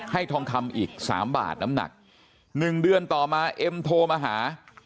ทองคำอีก๓บาทน้ำหนัก๑เดือนต่อมาเอ็มโทรมาหา